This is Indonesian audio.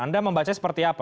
anda membacanya seperti apa